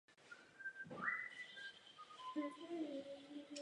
Anna onemocněla a zemřela.